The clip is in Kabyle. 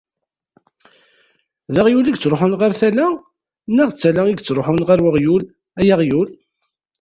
d aɣyul i yettruḥun ɣer tala neɣ d tala i yettruḥun ɣer uɣyul ay aɣyul?